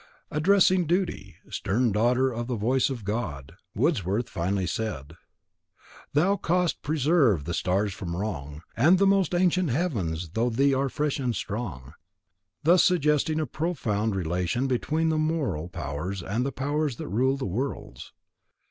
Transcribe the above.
Addressing Duty, stern daughter of the Voice of God, Wordsworth finely said: Thou cost preserve the stars from wrong, And the most ancient heavens through thee are fresh and strong— thus suggesting a profound relation between the moral powers and the powers that rule the worlds.